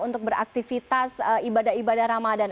untuk beraktivitas ibadah ibadah ramadan